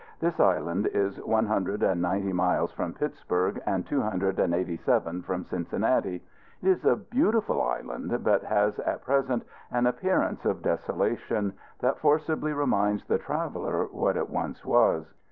This island is one hundred and ninety miles from Pittsburg, and two hundred and eighty seven from Cincinnati. It is a beautiful island; but has at present an appearance of desolation, that forcibly reminds the traveler what it once was.